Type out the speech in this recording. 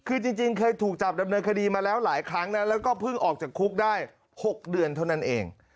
คือจริงเคยถูกจับดำเนินคดีมาแล้วหลายครั้งนะแล้วก็เพิ่งออกจากคุกได้๖เดือนเท่านั้นเอง